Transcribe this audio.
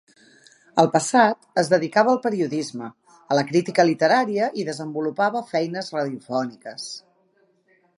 Al passat, es dedicava al periodisme, a la crítica literària i desenvolupava feines radiofòniques.